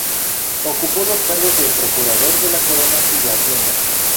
Ocupó los cargos de procurador de la Corona y de Hacienda.